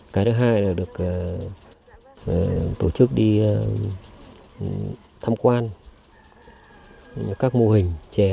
cái thứ hai là được tổ chức đi thăm quan các mô hình trè